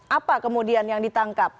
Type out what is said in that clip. apa kemudian yang ditangkap